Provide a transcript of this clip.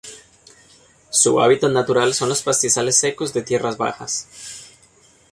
Su hábitat natural son los pastizales secos de tierras bajas.